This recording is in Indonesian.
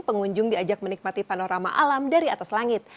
pengunjung diajak menikmati panorama alam dari atas langit